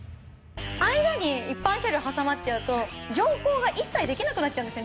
間に一般車両挟まっちゃうと乗降が一切できなくなっちゃうんですよ